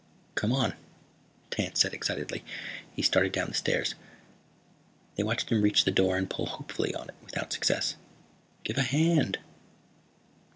"Come on," Tance said excitedly. He started down the stairs. They watched him reach the door and pull hopefully on it without success. "Give a hand!"